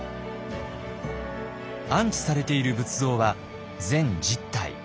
安置されている仏像は全１０体。